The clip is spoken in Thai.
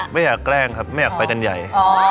ไม่อยากแกล้งครับไม่อยากไปกันใหญ่